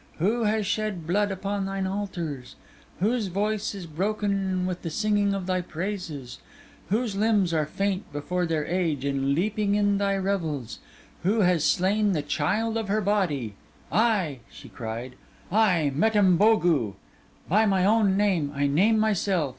Who has shed blood upon thine altars? whose voice is broken with the singing of thy praises? whose limbs are faint before their age with leaping in thy revels? Who has slain the child of her body? I,' she cried, 'I, Metamnbogu! By my own name, I name myself.